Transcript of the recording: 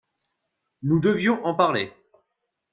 Nous devions en parler.